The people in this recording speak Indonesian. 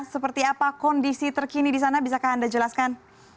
seperti apa kondisi terkini di sana bisakah anda jelaskan